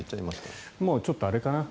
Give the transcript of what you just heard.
ちょっとあれかな